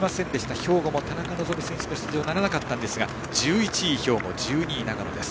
兵庫も田中希実選手の出場がならなかったんですが１１位兵庫、１２位長野です。